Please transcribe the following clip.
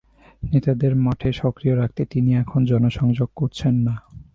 নেতাদের মাঠে সক্রিয় রাখতে তিনি এখন জনসংযোগ করছেন না।